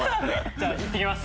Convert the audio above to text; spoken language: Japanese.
じゃあ行ってきます。